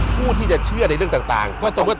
ผู้ที่จะเชื่อในเรื่องต่าง